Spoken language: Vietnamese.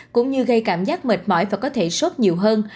cũng như gây cảm giác mệt mỏi và có thể sốt nhiều hơn